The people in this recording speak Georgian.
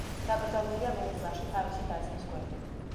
დაკრძალულია ვერის ბაღში თავისი და-ძმის გვერდით.